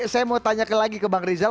saya mau tanyakan lagi ke bang rizal